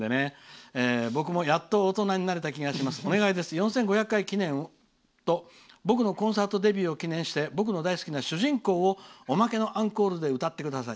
４５００回記念と僕のコンサートデビューを記念して僕の大好きな「主人公」をおまけのアンコールで歌ってください。